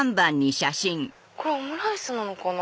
これオムライスなのかな？